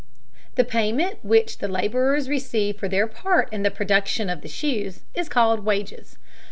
The payment which the laborers receive for their part in the production of the shoes is called wages.